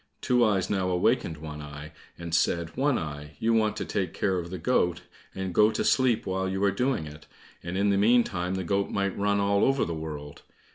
Two eyes now awakened One eye, and said, "One eye, you want to take care of the goat, and go to sleep while you are doing it, and in the meantime the goat might run all over the world.